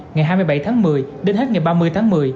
ngày hai mươi bảy tháng một mươi đến hết ngày ba mươi tháng một mươi